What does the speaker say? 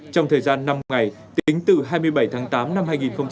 trong thời gian năm ngày tính từ hai mươi bảy tháng tám năm hai nghìn hai mươi một